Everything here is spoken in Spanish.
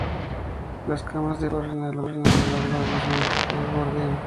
Las camas de flores corren a lo largo de los muros que bordean.